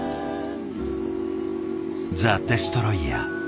ザ・デストロイヤー。